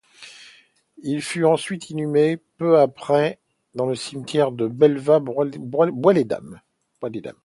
Il fut ensuite inhumé peu après dans le cimetière de Belval-Bois-des-Dames.